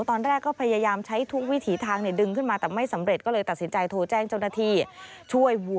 ตอนแรกก็พยายามใช้ทุกวิถีทางดึงขึ้นมาแต่ไม่สำเร็จ